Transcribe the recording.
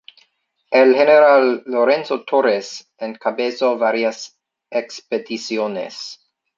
El General Lorenzo Torres encabezó varias expediciones.